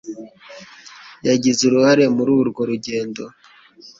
Yagize uruhare muri urwo rugendo